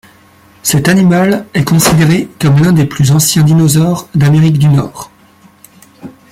Cet animal est considéré comme l'un des plus anciens dinosaures d'Amérique du Nord.